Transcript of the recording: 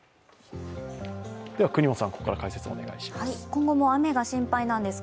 國本さん、ここから解説をお願いします。